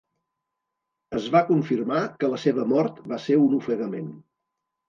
Es va confirmar que la seva mort va ser un ofegament.